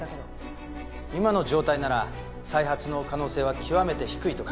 今の状態なら再発の可能性は極めて低いと。